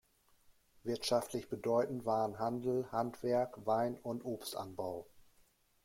Wirtschaftlich bedeutend waren Handel, Handwerk, Wein- und Obstanbau.